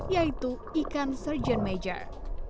yaitu ikan surgeon major